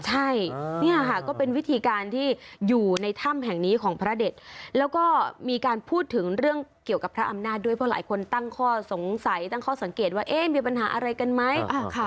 ใช่เนี่ยค่ะก็เป็นวิธีการที่อยู่ในถ้ำแห่งนี้ของพระเด็ดแล้วก็มีการพูดถึงเรื่องเกี่ยวกับพระอำนาจด้วยเพราะหลายคนตั้งข้อสงสัยตั้งข้อสังเกตว่ามีปัญหาอะไรกันไหม